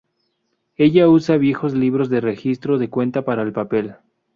Ella usa viejos libros de registro de cuenta para el papel.